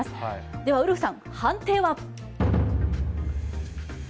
では、ウルフさん、判定は？